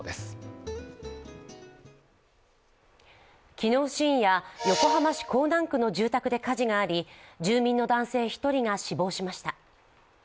昨日深夜、横浜市港南区の住宅で火事があり住民の男性１人が死亡しました。